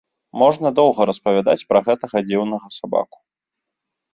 Можна доўга распавядаць пра гэтага дзіўнага сабаку.